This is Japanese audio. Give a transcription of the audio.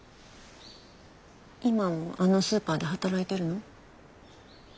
今もあのスーパーで働いてるの？